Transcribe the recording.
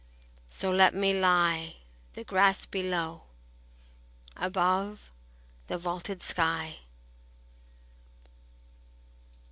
So let me lie,— The grass below; above, the vaulted sky.